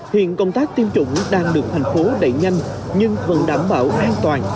hiện công tác tiêm chủng đang được thành phố đẩy nhanh nhưng vẫn đảm bảo an toàn